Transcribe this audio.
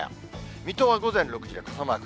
水戸は午前６時で傘マーク。